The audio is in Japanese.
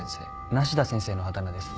梨多先生のあだ名です。